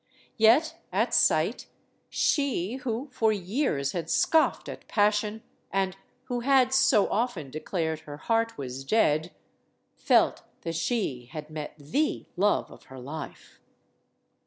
Yet, at sight, she, who for years had scoffed at pas sion, and who had so often declared her heart was dead, felt that she had met the love of her life.